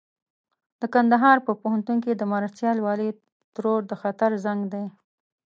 د کندهار په پوهنتون کې د مرستيال والي ترور د خطر زنګ دی.